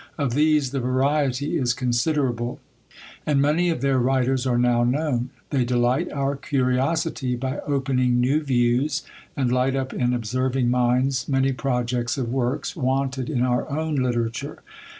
Of these the variety is considerable; and many of their writers are now known. They delight our curiosity by opening new views, and light up in observing minds many projects of works, wanted in our own literature.